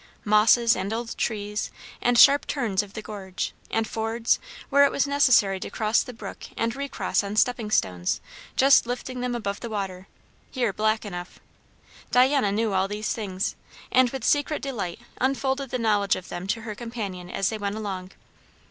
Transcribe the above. Mosses, and old trees, and sharp turns of the gorge, and fords, where it was necessary to cross the brook and recross on stepping stones just lifting them above the water, here black enough, Diana knew all these things, and with secret delight unfolded the knowledge of them to her companion as they went along.